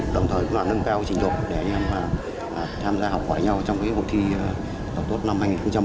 đồng thời cũng là nâng cao trình độ để anh em tham gia học hỏi nhau trong cái hội thi tàu tốt năm hai nghìn một mươi bảy